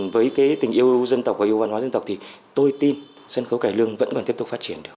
với cái tình yêu dân tộc và yêu văn hóa dân tộc thì tôi tin sân khấu cải lương vẫn còn tiếp tục phát triển được